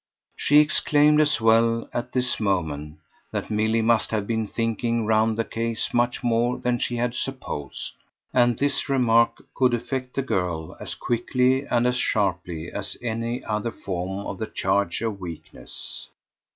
She exclaimed as well, at this moment, that Milly must have been thinking round the case much more than she had supposed; and this remark could affect the girl as quickly and as sharply as any other form of the charge of weakness.